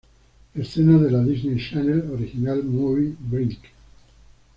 Escenas de la Disney Channel Original Movie "Brink!